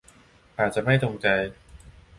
อาจจะไม่จงใจ